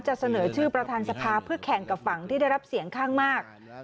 เสนอชื่อประธานสภาเพื่อแข่งกับฝั่งที่ได้รับเสียงข้างมาก